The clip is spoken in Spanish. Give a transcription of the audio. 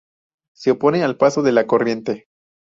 Se opone al paso de la corriente.